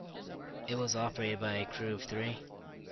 It was operated by a crew of three.